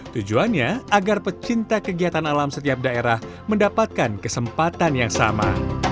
tujuannya agar pecinta kegiatan alam setiap daerah mendapatkan kesempatan yang sama